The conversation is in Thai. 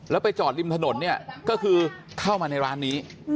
แล้วไปจอดริมถนนเนี่ยก็คือเข้ามาในร้านนี้